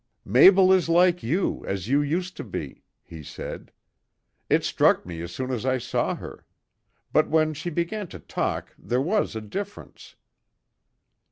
"Mabel is like you, as you used to be," he said. "It struck me as soon as I saw her; but when she began to talk there was a difference."